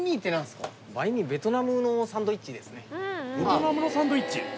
ベトナムのサンドイッチ。